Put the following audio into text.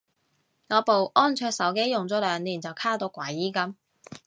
我部安卓手機用咗兩年就卡到鬼噉